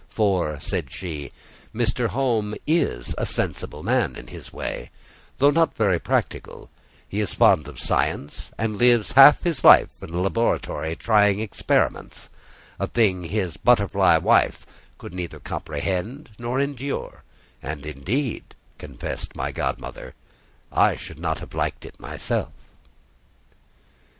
For," said she, "Mr. Home is a sensible man in his way, though not very practical: he is fond of science, and lives half his life in a laboratory trying experiments—a thing his butterfly wife could neither comprehend nor endure; and indeed" confessed my godmother, "I should not have liked it myself."